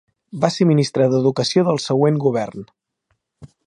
Va ser ministre d'Educació del següent govern.